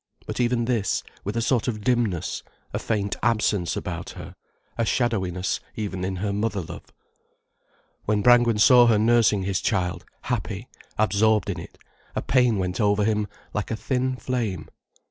But even this, with a sort of dimness, a faint absence about her, a shadowiness even in her mother love. When Brangwen saw her nursing his child, happy, absorbed in it, a pain went over him like a thin flame.